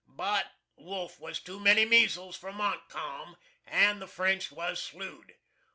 But WOLFE was too many measles for MONTCALM, and the French was slew'd.